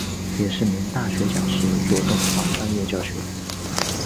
也是名大学讲师做动画专业教学。